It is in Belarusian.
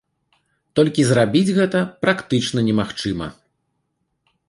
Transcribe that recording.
Толькі зрабіць гэта практычна немагчыма.